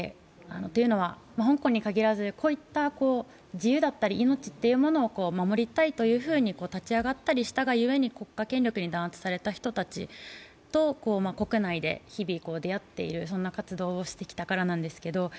というのは、香港に限らず、こういった自由だったり命を守りたいと立ち上がったりしたがゆえに国家権力に弾圧された人たちと国内で日々出会っている、そんな活動をしてきたからなんですけど。